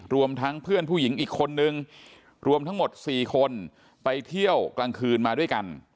รวมทั้งเพื่อนผู้หญิงอีกคนนึงรวมทั้งหมด๔คนไปเที่ยวกลางคืนมาด้วยกัน